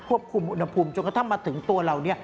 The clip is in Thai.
คุมอุณหภูมิจนกระทั่งมาถึงตัวเรา